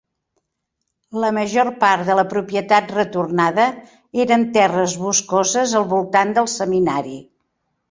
La major part de la propietat retornada eren terres boscoses al voltant del seminari.